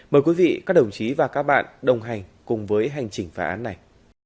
mời quý vị các đồng chí và các bạn đồng hành cùng với hành trình phá án này